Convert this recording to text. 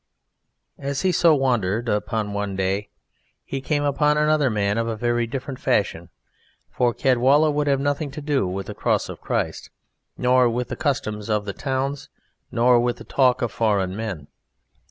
As he so wandered upon one day, he came upon another man of a very different fashion, for Caedwalla would have nothing to do with the Cross of Christ, nor with the customs of the towns, nor with the talk of foreign men.